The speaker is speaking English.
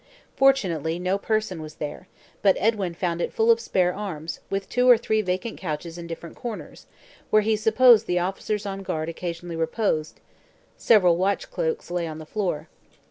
Fortunately no person was there; but Edwin found it full of spare arms, with two or three vacant couches in different corners, where he supposed the officers on guard occassionally reposed; several watch cloaks lay on the floor.